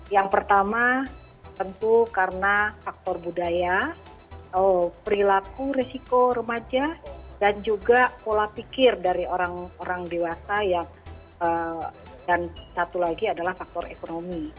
yang pertama tentu karena faktor budaya perilaku risiko remaja dan juga pola pikir dari orang orang dewasa dan satu lagi adalah faktor ekonomi